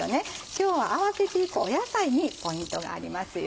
今日合わせていく野菜にポイントがありますよ。